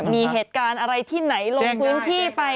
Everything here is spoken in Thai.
มีเหตุการณ์อะไรที่ไหนลงพื้นที่ไป